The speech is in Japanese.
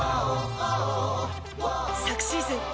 昨シーズン